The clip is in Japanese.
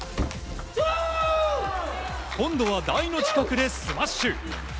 今度は台の近くでスマッシュ。